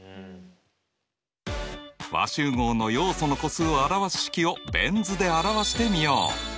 和集合の要素の個数を表す式をベン図で表してみよう。